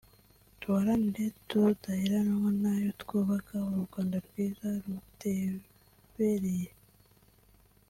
duharanire kudaherenwa nayo twubaka u Rwanda rwiza rutebereye